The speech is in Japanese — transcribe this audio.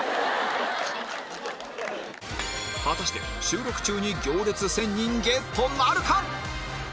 果たして収録中に行列１０００人ゲットなるか？